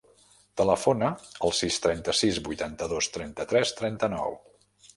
Telefona al sis, trenta-sis, vuitanta-dos, trenta-tres, trenta-nou.